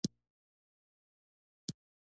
آیا دوی هند ته دال او لوبیا نه لیږي؟